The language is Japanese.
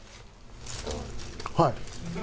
はい。